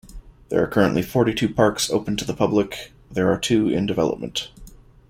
There are currently forty-two parks open to the public, there are two in development.